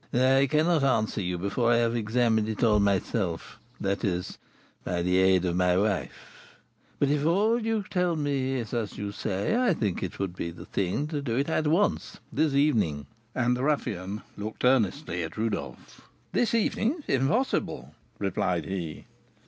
"I cannot answer you before I have examined it all myself, that is, by the aid of my wife; but, if all you tell me is as you say, I think it would be the thing to do it at once this evening." And the ruffian looked earnestly at Rodolph. "This evening! impossible!" replied he.